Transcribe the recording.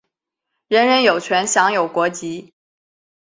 人人有权享有国籍。